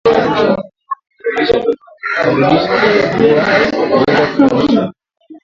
viazi lishe huweza huchemshwa